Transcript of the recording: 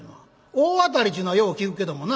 『大当たり』っちゅうのはよう聞くけどもな。